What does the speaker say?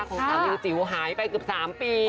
ของสาวนิวจิ๋วหายไปเกือบ๓ปี